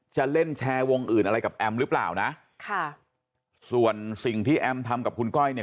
จะเล่นแชร์วงอื่นอะไรกับแอมหรือเปล่านะค่ะส่วนสิ่งที่แอมทำกับคุณก้อยเนี่ย